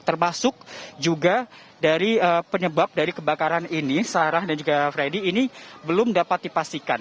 termasuk juga dari penyebab dari kebakaran ini sarah dan juga freddy ini belum dapat dipastikan